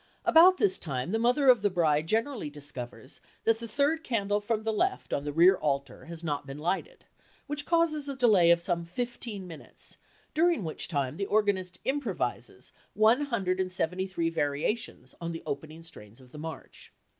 About this time the mother of the bride generally discovers that the third candle from the left on the rear altar has not been lighted, which causes a delay of some fifteen minutes during which time the organist improvises one hundred and seventy three variations on the opening strains of the march.